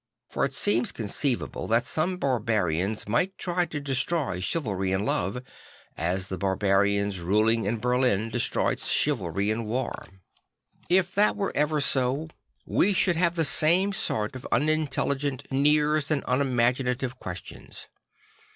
For it seems conceivable that some barbarians might try to destroy chivalry in love, as the barbarians ruling in Berlin destroyed chivalry in war. If that were ever so, we should have the same sort of unintelli gent sneers and unimaginative questions.